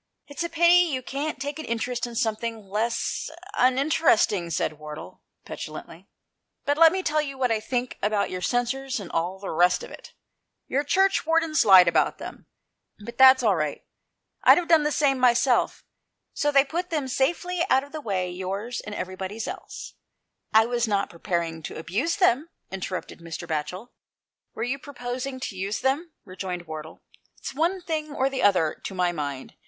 "It's a pity you can't take an interest in something less uninteresting," said Wardle, petulantly; "but let me tell you what I think about your censers and all the rest of it. Your Churchwardens lied about them, but that's all right ; I'd have done the same myself. If their things couldn't be used, they were not going to have them abused, so they put them safely out of the way, your's and everybody's else." " I was not proposing to abuse them," inter rupted Mr. Batchel. " "Were you proposing to use them ?" rejoined Wardle. " It's one thing or the other, to my mind.